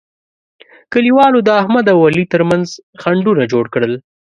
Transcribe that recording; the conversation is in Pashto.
کلیوالو د احمد او علي ترمنځ خنډونه جوړ کړل.